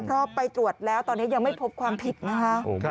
เพราะไปตรวจแล้วตอนนี้ยังไม่พบความผิดนะคะ